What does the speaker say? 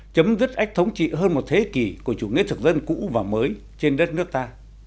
chấm dứt ách thống trị hơn một thế kỷ của chủ nghĩa thực dân cũ và mới trên đất nước ta